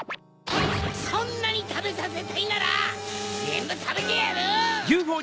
そんなにたべさせたいならぜんぶたべてやる！